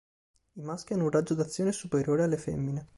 I maschi hanno un raggio d'azione superiore alle femmine.